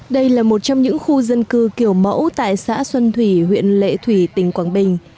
đây là một trong những khu dân cư kiểu mẫu tại xã xuân thủy huyện lệ thủy tỉnh quảng bình